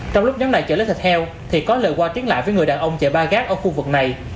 trong lúc nhóm này chở lấy thịt heo thì có lời qua tiếng lại với người đàn ông chạy ba gác ở khu vực này